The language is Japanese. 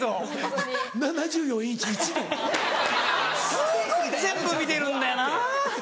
すごい全部見てるんだよな。